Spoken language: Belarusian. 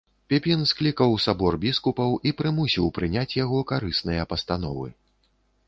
Піпін склікаў сабор біскупаў і прымусіў прыняць яго карысныя пастановы.